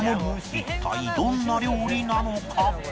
一体どんな料理なのか？